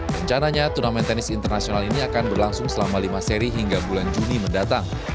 rencananya turnamen tenis internasional ini akan berlangsung selama lima seri hingga bulan juni mendatang